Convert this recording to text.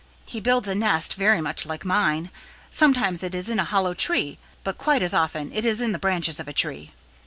He builds a nest very much like mine. Sometimes it is in a hollow tree, but quite as often it is in the branches of a tree.